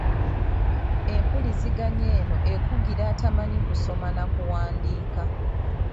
Empuliziganya eno ekugira atamanyi kusoma na kuwandiika.